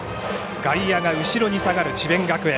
外野が後ろに下がる、智弁学園。